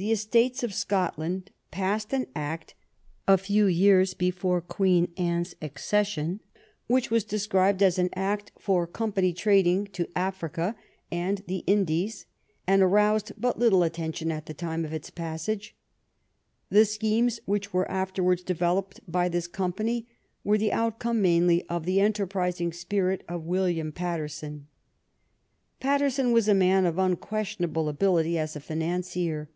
The Estates of Scotland passed an act a few year? 163 THE RBIGN OF QUEEN ANNE before Queen Anne's accession which was described as an act for company trading to Africa and the Indies^ and aroused but little attention at the time of its passage. The schemes which were afterwards de veloped by this company were the outcome mainly of the enterprising spirit of William Paterson, Paterson was a man of unquestionable ability as a financier.